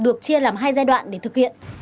được chia làm hai giai đoạn để thực hiện